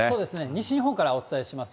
西日本からお伝えします。